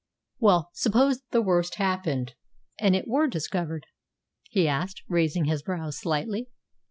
"Well, suppose the worst happened, and it were discovered?" he asked, raising his brows slightly.